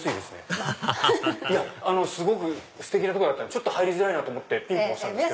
アハハハハすごくステキなとこだったんで入りづらいなと思ってピンポン押したんですけど。